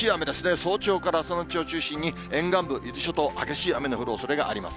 早朝から朝のうちを中心に沿岸部、伊豆諸島、激しい雨の降るおそれがあります。